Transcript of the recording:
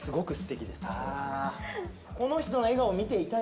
この人の笑顔を見ていたい。